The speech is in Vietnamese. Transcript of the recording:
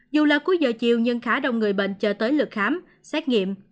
dù là cuối giờ chiều nhưng khá đông người bệnh chờ tới lượt khám xét nghiệm